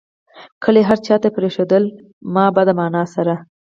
کلي هر چا دې پريښودلي ما بدنامه سره